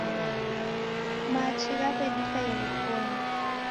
Machi ghaw'edika irikonyi